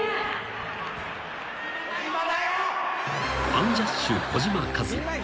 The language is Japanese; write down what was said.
［アンジャッシュ児嶋一哉］